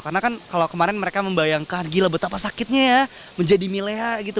karena kan kalau kemarin mereka membayangkan gila betapa sakitnya ya menjadi milea gitu